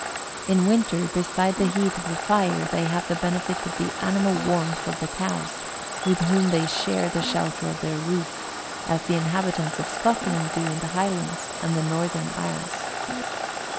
In winter, besides the heat of the fire, they have the benefit of the animal warmth of the cows, with whom they share the shelter of their roof, as the inhabitants of Scotland do in the High¬ lands and the northern isles.